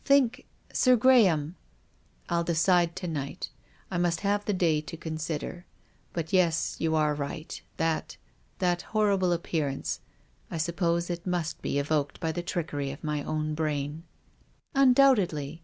" Think — Sir Graham !"" I'll decide to night. I must have the day to consider, liut — yes, you arc right. That — that horrible appearance. I suppose it must be evoked by the trickery of my own brain." " Undoubtedly."